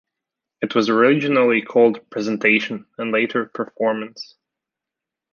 It was originally called "presentation" and later "performance".